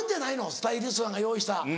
スタイリストさんが用意したやつ。